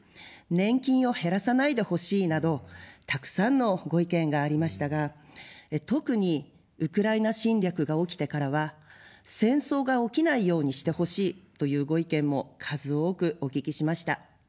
年金を減らさないでほしいなど、たくさんのご意見がありましたが、特にウクライナ侵略が起きてからは、戦争が起きないようにしてほしい、というご意見も数多くお聞きしました。